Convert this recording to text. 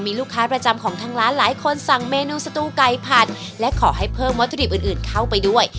มีลูกค้าประจำของทางร้านหลายคนสั่งเมนูสตูไก่ผัดและขอให้เพิ่มวัตถุดิบอื่นอื่นเข้าไปด้วย